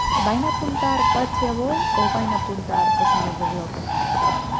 ¿Vaina apuntar Pachi Aboi ou vaina apuntar o señor do Bloque?